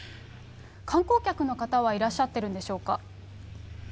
観光客の方はいらっしゃってるんでしょうか。